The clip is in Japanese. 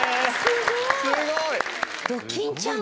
すごい！